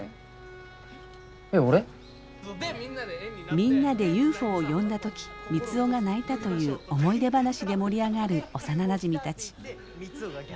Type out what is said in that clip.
みんなでＵＦＯを呼んだ時三生が泣いたという思い出話で盛り上がる幼なじみたち。